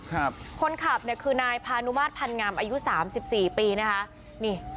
ครับคนขับเนี่ยคือนายพานุมาตรพันธ์งามอายุสามสิบสี่ปีนะคะนี่